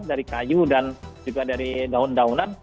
dari kayu dan juga dari daun daunan